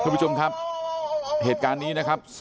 คุณผู้ชมครับเหตุการณ์นี้นะครับ